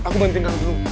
aku bantuin kamu dulu